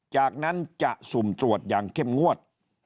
จากนั้นจะสุ่มตรวจอย่างเข้มงวด